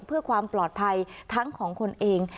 เพื่อความปลอดภัยทั้งของคนเอง